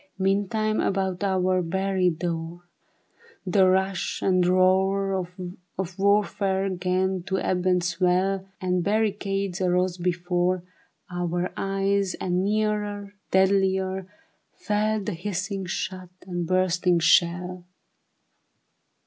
Meantime about our very door The rush and roar Of warfare 'gan to ebb and swell, And barricades arose before Our eyes, and nearer, deadlier, fell The hissing shot and bursting shell.